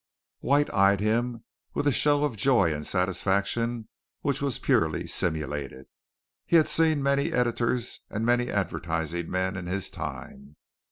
White eyed him, with a show of joy and satisfaction which was purely simulated. He had seen many editors and many advertising men in his time.